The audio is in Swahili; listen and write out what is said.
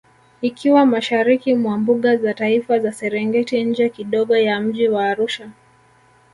Ikiwa Mashariki mwa Mbuga za Taifa za Serengeti nje kidogo ya mji wa Arusha